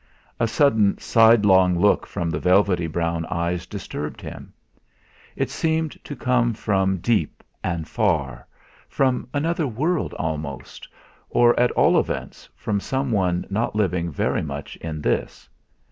A sudden sidelong look from the velvety brown eyes disturbed him. It seemed to come from deep and far, from another world almost, or at all events from some one not living very much in this.